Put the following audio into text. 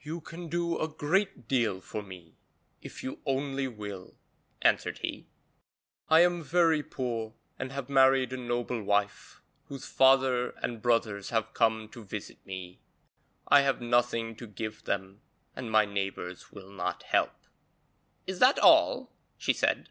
'You can do a great deal for me if you only will,' answered he. 'I am very poor and have married a noble wife, whose father and brothers have come to visit me. I have nothing to give them, and my neighbours will not help.' 'Is that all?' she said.